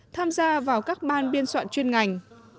tham gia vào các ban biên soạn chuyên ngành